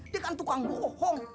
dia kan tukang bohong